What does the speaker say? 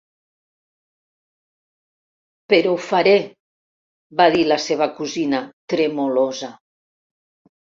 "Però ho faré" , va dir la seva cosina, tremolosa.